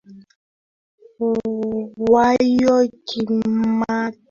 yao kimataifa mnamo manowari za Marekani ziliilazimisha